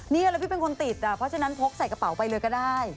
นี่แล้วพี่เป็นคนติดเพราะฉะนั้นพกใส่กระเป๋าไปเลยก็ได้